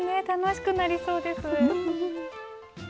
楽しくなりそうです。